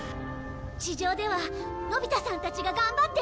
地上ではのび太さんたちが頑張っているんです！